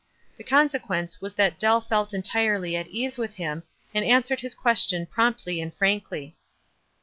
The consequence was that Dell felt entirely at ease with him, and answered his question promptly and frankly.